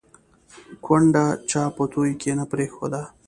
ـ کونډه چا په توى کې نه پرېښوده